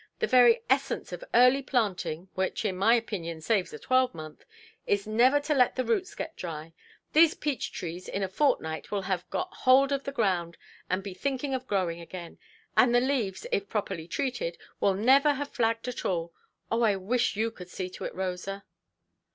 The very essence of early planting (which in my opinion saves a twelvemonth) is never to let the roots get dry. These peach–trees in a fortnight will have got hold of the ground, and be thinking of growing again; and the leaves, if properly treated, will never have flagged at all. Oh, I wish you could see to it, Rosa".